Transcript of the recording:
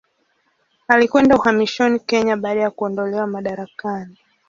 Alikwenda uhamishoni Kenya baada ya kuondolewa madarakani.